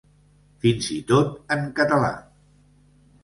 Fins i tot en català.